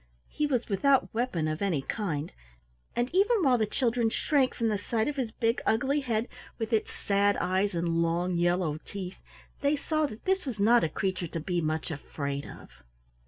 He was without weapon of any kind, and even while the children shrank from the sight of his big ugly head with its sad eyes and long yellow teeth, they saw that this was not a creature to be much afraid of.